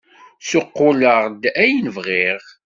Ssuqquleɣ-d ayen bɣiɣ!